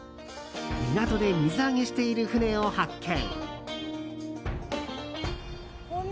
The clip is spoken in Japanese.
港で水揚げしている船を発見。